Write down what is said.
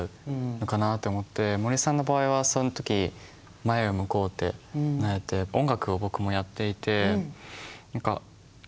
森さんの場合はその時前を向こうってなれて音楽を僕もやっていて何かあっ分かる！